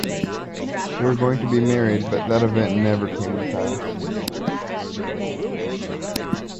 They were going to be married, but that event never came to pass.